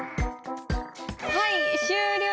はい終了。